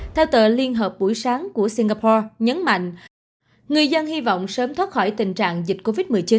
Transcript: theo tờ liên hợp buổi sáng của singapore nhấn mạnh người dân hy vọng sớm thoát khỏi tình trạng dịch covid một mươi chín